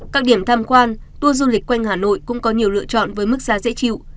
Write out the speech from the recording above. các điểm tham quan tour du lịch quanh hà nội cũng có nhiều lựa chọn với mức giá dễ chịu